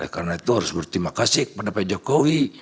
karena itu harus berterima kasih kepada pak jokowi